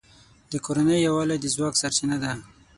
د کورنۍ یووالی د ځواک سرچینه ده.